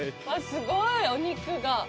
すごいお肉が。